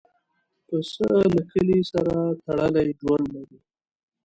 پسه له کلي سره تړلی ژوند لري.